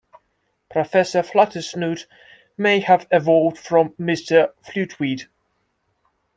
Professor Flutesnoot may have evolved from Mr. Fluteweed.